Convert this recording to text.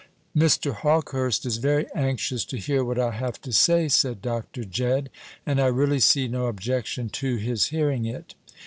"Mr. Hawkehurst is very anxious to hear what I have to say," said Dr. Jedd; "and I really see no objection to his hearing it."